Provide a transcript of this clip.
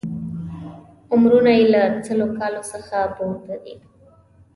عمرونه یې له سلو کالونو څخه پورته دي.